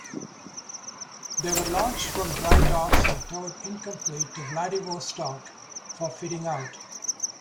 They were launched from drydocks and towed incomplete to Vladivostok for fitting-out.